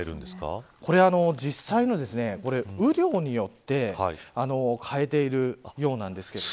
実際の雨量によって変えているようなんですけれども。